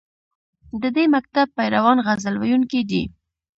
د دې مکتب پیروان غزل ویونکي دي